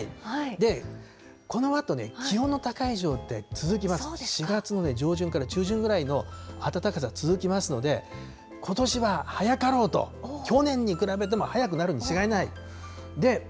で、このあと気温の高い状態続きます、４月の上旬から中旬ぐらいの暖かさ、続きますので、ことしは早かろうと、去年に比べても早くなるに違いない。